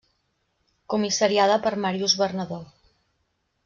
Comissariada per Màrius Bernadó.